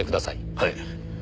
はい。